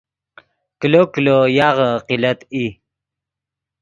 کلو کلو یاغے قلت ای